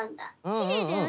きれいだよね！